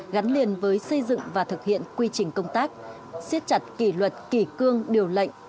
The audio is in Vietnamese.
gắn liền với xây dựng và thực hiện quy trình công tác xiết chặt kỷ luật kỷ cương điều lệnh